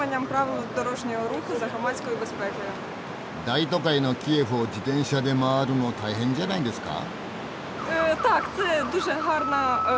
大都会のキエフを自転車で回るの大変じゃないんですか？